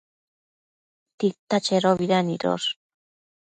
Tita chedobida nidosh?